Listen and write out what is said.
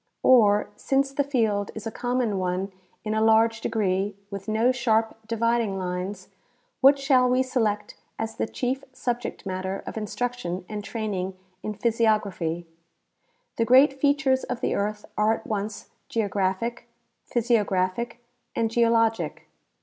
Or, since the field is a common one in a large degree, with no sharp dividing lines, what shall we select as the chief subject matter of instruction and training in physiography ?■ The great features of the earth are at once geographic, physiographic, and geo logic.